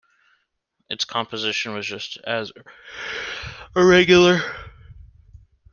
Its composition was just as irregular.